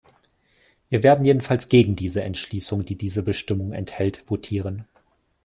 Wir werden jedenfalls gegen die Entschließung, die diese Bestimmung enthält, votieren.